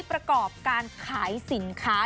ประกอบการขายสินค้า